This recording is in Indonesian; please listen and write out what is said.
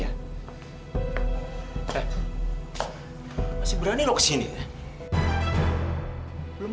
eh bisa dikenali